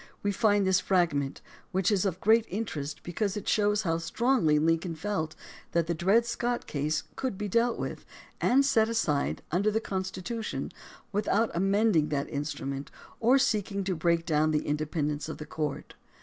we find this fragment, which is of great interest because it shows how strongly Lincoln felt that the Dred Scott case could be dealt with, and set aside under the Constitution without amending that instrument or seeking to break down the inde pendence of the courts.